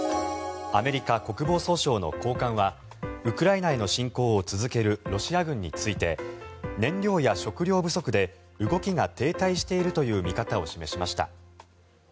アメリカ国防総省の高官はウクライナへの侵攻を続けるロシア軍について燃料や食料不足で動きが停滞しているという見方を示しました。